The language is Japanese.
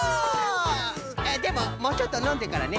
あっでももうちょっとのんでからね。